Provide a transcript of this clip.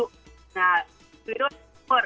nah itu berkumur